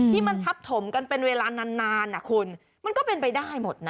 ที่มันทับถมกันเป็นเวลานานคุณมันก็เป็นไปได้หมดนะ